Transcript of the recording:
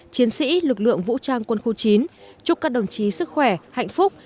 chiến sĩ lực lượng vũ trang quân khu chín chúc các đồng chí sức khỏe hạnh phúc